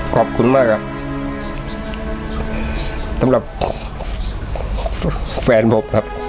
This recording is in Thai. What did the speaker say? ขอบคุณมากครับสำหรับแฟนผมครับ